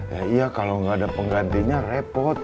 ya iya kalau nggak ada penggantinya repot